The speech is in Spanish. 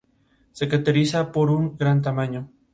Se caracteriza por su gran tamaño.